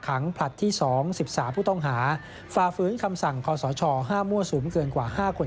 ขังผลัดที่สองสิบสามผู้ต้องหาฝ่าฝืนคำสั่งขอสอชอห้ามั่วสูงเกินกว่าห้าคน